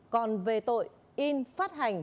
còn về tội in phát hành